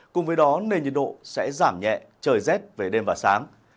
cùng với đó nền nhiệt độ sẽ giảm nhẹ trời rét về đêm và sáng